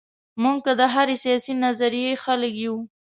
موږ که د هرې سیاسي نظریې خلک یو.